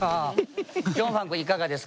ジョンファン君いかがですか？